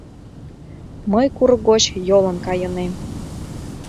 Мый курык гоч йолын кайынем.